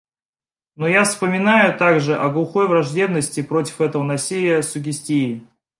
Но я вспоминаю также о глухой враждебности против этого насилия суггестии.